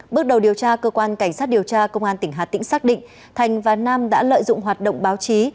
bước đầu điều tra cơ quan cảnh sát điều tra công an tỉnh hà tĩnh xác định thành và nam đã lợi dụng hoạt động báo chí